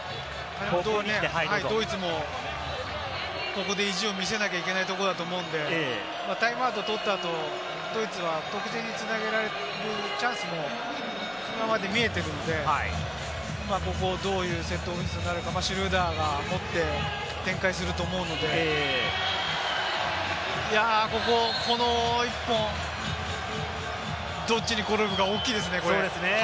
ドイツもここで意地を見せなきゃいけないところだと思うので、タイムアウト取った後、ドイツは得点に繋げられるチャンス、今まで見えているので、ここがどういうセットになるのか、シュルーダーが持って展開すると思うので、ここ、この１本、どっちに転ぶか大きいですね。